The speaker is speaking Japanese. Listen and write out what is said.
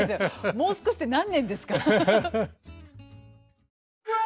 もう少しって何年ですか？